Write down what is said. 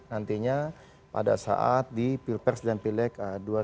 nantinya pada saat di pilpers dan pilek